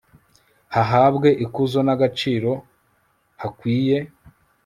hahabwe ikuzo n'agaciro hakwiye